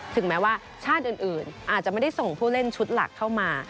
ถึงแม้ว่าชาติอื่นอาจจะไม่ได้ส่งผู้เล่นชุดหลักเข้ามา